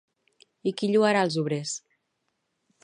I qui lloarà els obrers?